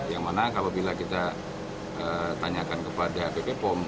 yang mana apabila kita tanyakan kepada bp pom